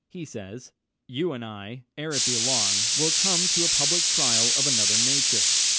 He says, "You and I, ere it be long, will come to a public trial of another nature."